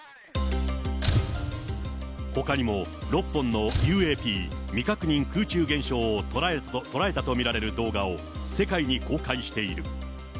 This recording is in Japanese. ほかにも６本のＵＡＰ・未確認空中現象を捉えたと見られる動画を世界に公開している。